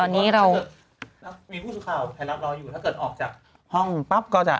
มีผู้สุข่าวแผนรับรออยู่ถ้าเกิดออกจากห้องปั๊บก็จะ